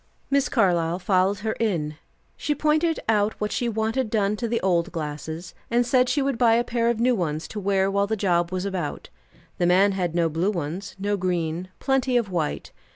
Miss Carlyle followed her in. She pointed out what she wanted done to the old glasses, and said she would buy a pair of new ones to wear while the job was about. The man had no blue ones, no green; plenty of white.